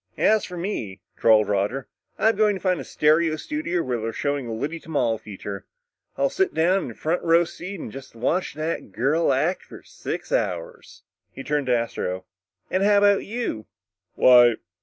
"As for me," drawled Roger, "I'm going to find a stereo studio where they're showing a Liddy Tamal feature. I'll sit down in a front row seat and just watch that girl act for about six hours." He turned to Astro. "And how about you?" "Why